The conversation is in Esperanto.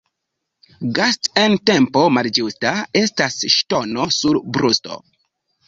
Gast' en tempo malĝusta estas ŝtono sur brusto.